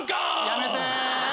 やめて。